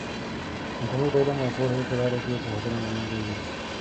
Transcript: انټرنیټ د علم او پوهې په لاره کې سرحدونه له منځه وړي.